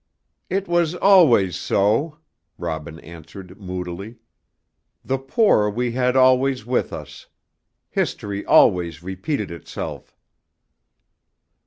"It was always so," Robin answered moodily. "The poor we had always with us. History always repeated itself."